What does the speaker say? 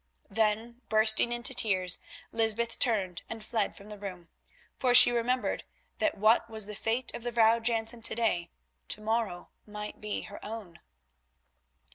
Then bursting into tears Lysbeth turned and fled from the room, for she remembered that what was the fate of the Vrouw Jansen to day to morrow might be her own.